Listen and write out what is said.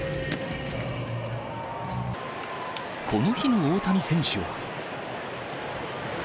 この日の大谷選手は。